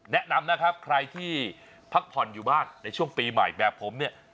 แนะนำนะครับใครที่พักผ่อนอยู่บ้านในช่วงปีใหม่แบบผมเนี่ย